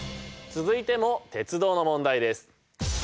続いても鉄道の問題です。